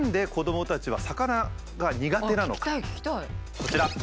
こちら。